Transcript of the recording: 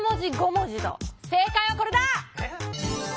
正解はこれだ！